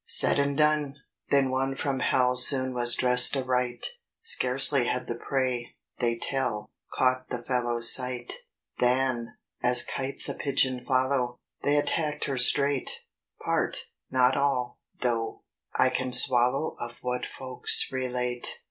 Said and done! Then one from hell Soon was dressed aright. Scarcely had the prey, they tell, Caught the fellow's sight, Than, as kites a pigeon follow, They attacked her straight Part, not all, though, I can swallow Of what folks relate.